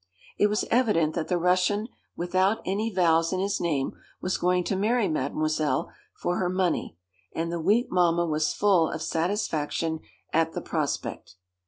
It was evident that the Russian without any vowels in his name was going to marry Mademoiselle for her money, and the weak Mamma was full of satisfaction at the prospect.